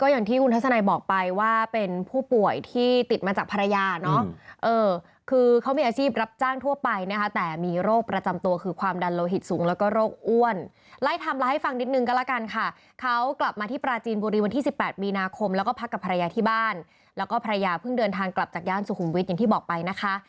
อย่างนู้นหมดที่ท่านอนุเคราะห์ให้เผาที่นี่ได้